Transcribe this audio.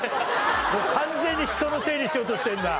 完全に人のせいにしようとしてるな。